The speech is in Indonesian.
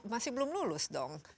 masih belum lulus dong